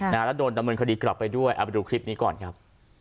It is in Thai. แล้วโดนดำเนินคดีกลับไปด้วยเอาไปดูคลิปนี้ก่อนครับ